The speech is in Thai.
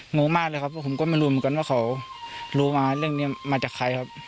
งงมากเลยครับเพราะผมก็ไม่รู้เหมือนกันว่าเขารู้มาเรื่องนี้มาจากใครครับ